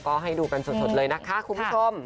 ก็ให้ดูกันสดเลยนะคะคุณผู้ชม